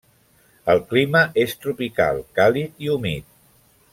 El clima és tropical: càlid i humit.